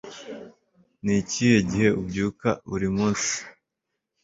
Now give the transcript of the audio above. Ni ikihe gihe ubyuka buri munsi?